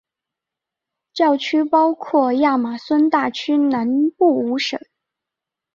教区包括亚马孙大区南部五省。